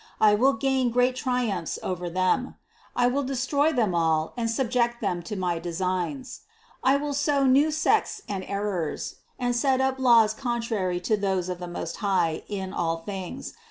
I will gain great triumphs over them ; I will destroy them all and subject them to my designs. I will sow new sects and errors, and set up laws contrary to those of the Most High in all things.